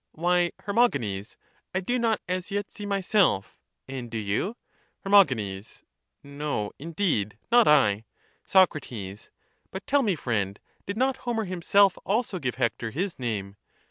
Why, Hermogenes, I do not as yet see myself ; and do you? Her. No, indeed ; not I. Hector. ^^^ ^ut tell me, friend, did not Homer himself also give 393 Hector his name?